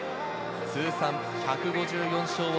通算１５４勝を